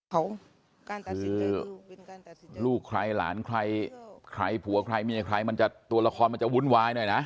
เขาซื้อลูกใครหลานใครใครผัวใครเมียใครมันจะตัวละครมันจะวุ่นวายหน่อยนะ